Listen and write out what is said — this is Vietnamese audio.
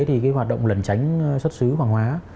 thì cái hoạt động lẩn tránh xuất xứ hoàng hóa